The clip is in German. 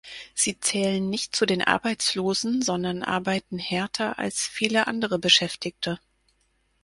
Sie zählen nicht zu den Arbeitslosen, sondern arbeiten härter als viele andere Beschäftigte.